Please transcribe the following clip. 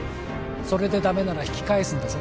それでダメなら引き返すんだぞ